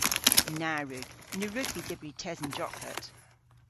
Na wrug. Ny wrug vy dybri tesen joklet.